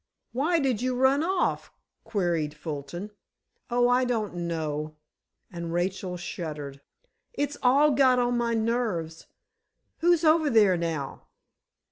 "Why did you run off?" queried Fulton. "Oh, I don't know," and Rachel shuddered. "It all got on my nerves. Who's over there now?"